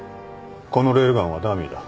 このレールガンはダミーだ。